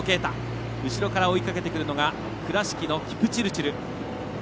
後ろから追いかけてくるのが倉敷のキプチルチル。